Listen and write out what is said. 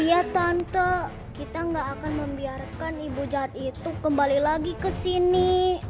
iya tante kita gak akan membiarkan ibu jahat itu kembali lagi ke sini